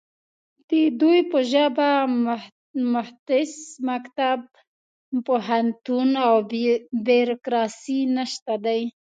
د دوی په ژبه مختص مکتب، پوهنتون او بیرکراسي نشته دی